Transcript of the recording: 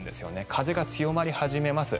風が強まり始めます。